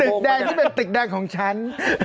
ตึกแดงที่เป็นตึกแดงของฉัน